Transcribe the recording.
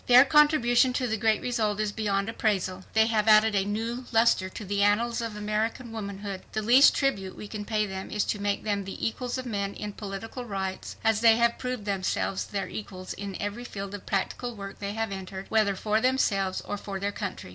Their contribution to the great result is beyond appraisal. They have added a new luster to the annals of American womanhood. "The least tribute we can pay them is to make them the equals of men in political rights, as they have proved themselves their equals in every field of practical work they have entered, whether for themselves or for their country.